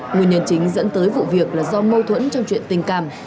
nguyên nhân chính dẫn tới vụ việc là do mâu thuẫn trong chuyện tình cảm